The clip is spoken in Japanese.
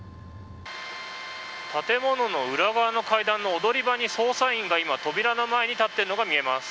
建物の裏側の階段の踊り場に捜査員が今、扉の前に立っているのが見えます。